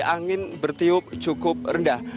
angin bertiup cukup rendah